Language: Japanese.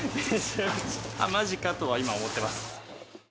まじかとは今、思ってます。